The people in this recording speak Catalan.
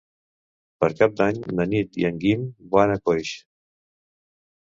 Per Cap d'Any na Nit i en Guim van a Coix.